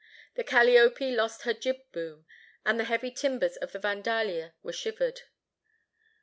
The Calliope lost her jib boom, and the heavy timbers of the Vandalia were shivered.